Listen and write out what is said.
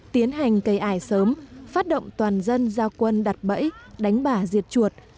tiến hành cây ải sớm phát động toàn dân giao quân đặt bẫy đánh bả diệt chuột